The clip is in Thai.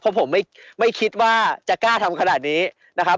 เพราะผมไม่คิดว่าจะกล้าทำขนาดนี้นะครับ